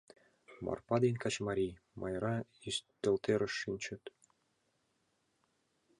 Марпа ден качымарий, Майра ӱстелтӧрыш шинчыт.